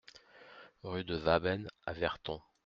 Rue de Waben à Verton